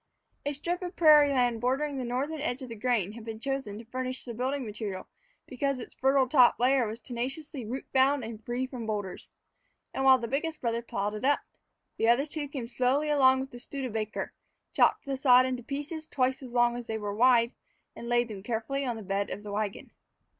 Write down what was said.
A strip of prairie land bordering the northern edge of the grain had been chosen to furnish the building material because its fertile top layer was tenaciously root bound and free from boulders. And while the biggest brother plowed it up, the other two came slowly along with the Studebaker, chopped the sods into pieces twice as long as they were wide, and laid them carefully on the bed of the wagon.